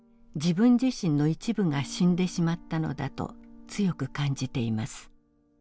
自分自身の一部が死んでしまったのだと強く感じています。